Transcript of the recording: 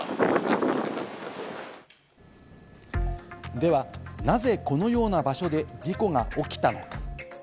では、なぜこのような場所で事故が起きたのか？